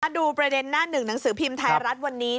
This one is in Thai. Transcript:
ดูประเด็นหน้าหนึ่งหนังสือพิมพ์ไทยรัฐวันนี้